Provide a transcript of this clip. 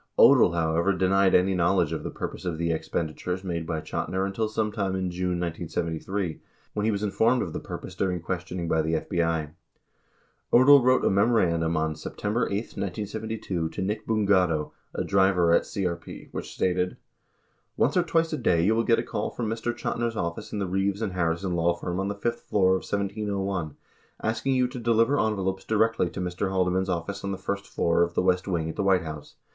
Odle, however, denied any knowledge of the purpose of the expenditures made by Chotiner until some time in June 1973, when he was informed of the purpose during questioning by the FBI. 42 Odle wrote a memorandum on September 8, 1972, to Nick Bungato, a driver at CRP, which stated : Once or twice a day you will get a call from Mr. Chotiner's office in the Reeves & Harrison law firm on the fifth floor of 1701, asking you to deliver envelopes directly to Mr. Halde mans' office on the first floor of the West Wing at the White House.